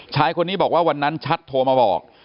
ชายคนนี้บอกว่าวันนั้นชัดโทรมาบอก